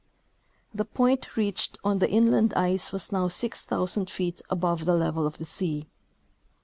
The point reached on the inland ice Avas noAV 6,000 feet above the level of the sea.